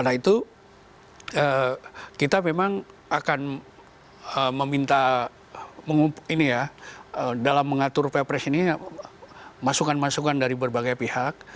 nah itu kita memang akan meminta ini ya dalam mengatur ppres ini masukan masukan dari berbagai pihak